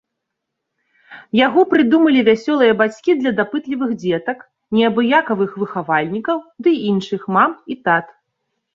Яго прыдумалі вясёлыя бацькі для дапытлівых дзетак, неабыякавых выхавальнікаў ды іншых мам і тат!